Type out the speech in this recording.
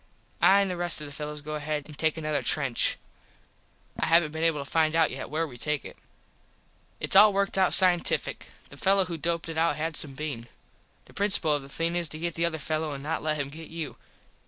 I an the rest of the fellos go ahead an take another trench. I havnt been able to find out yet where we take it. Its all worked out cientifick. The fello who doped it out had some bean. The principul of the thing is to get the other fello an not let him get you.